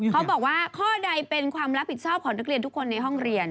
เขาบอกว่าข้อใดเป็นความรับผิดชอบของนักเรียนทุกคนในห้องเรียน